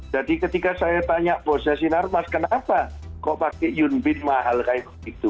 jadi ketika saya banyak bose sinar mas kenapa kok pakai yunbin mahal kayak begitu